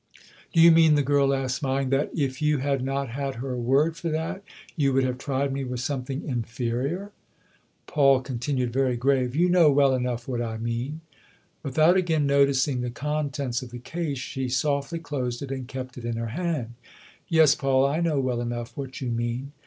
" Do you mean," the girl asked, smiling, " that if you had not had her word for that you would have tried me with something inferior ?" Paul continued very grave. " You know well enough what I mean*" Without again noticing the contents of the case she THE OTHER HOUSE 179 softly closed it and kept it in her hand. " Yes, Paul, I know well enough what you mean."